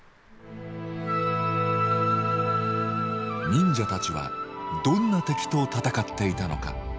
忍者たちはどんな敵と戦っていたのか。